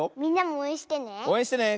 おうえんしてね。